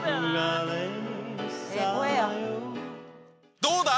どうだ？